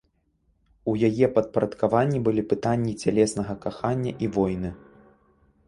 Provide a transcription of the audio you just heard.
У яе падпарадкаванні былі пытанні цялеснага кахання і войны.